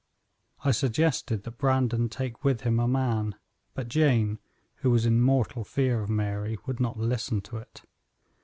I suggested that Brandon take with him a man, but Jane, who was in mortal fear of Mary, would not listen to it.